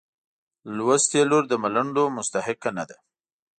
لوستې لور د ملنډو مستحقه نه ده.